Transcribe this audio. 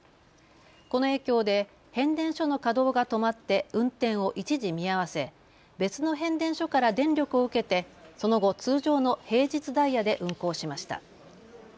この影響で変電所の稼働が止まって運転を一時見合わせ、別の変電所から電力を受けてその後、通常の平日ダイヤで運行しました。